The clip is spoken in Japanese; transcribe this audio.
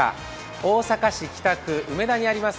大阪市北区梅田にあります